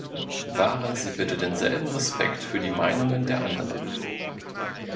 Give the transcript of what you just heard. Wahren Sie bitte denselben Respekt für die Meinungen der anderen.